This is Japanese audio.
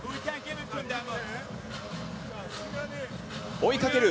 追いかける